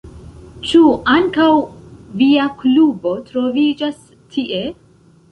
Ĉu ankaŭ via klubo troviĝas tie?